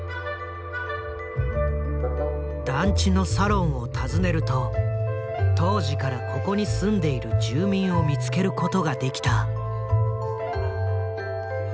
団地のサロンを訪ねると当時からここに住んでいる住民を見つけることができた。